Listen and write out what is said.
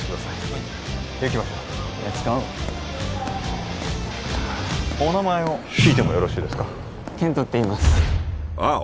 はい行きましょうレッツゴーお名前を聞いてもよろしいですかケントっていいますワオ！